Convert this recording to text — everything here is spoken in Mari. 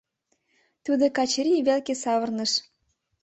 — Тудо Качырий велке савырныш.